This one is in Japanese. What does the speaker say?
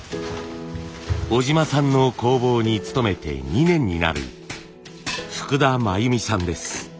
小島さんの工房に勤めて２年になる福田真由美さんです。